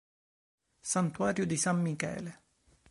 Santuario di San Michele